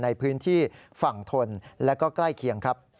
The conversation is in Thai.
ในพื้นที่ฝั่งทนและก็ใกล้เคียงครับ